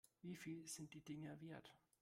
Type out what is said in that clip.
Wie viel sind die Dinger wert?